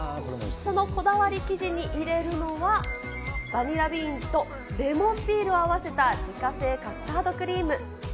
そのこだわり生地に入れるのは、バニラビーンズとレモンピールを合わせた自家製カスタードクリーム。